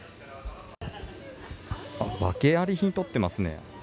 訳あり品取ってますね。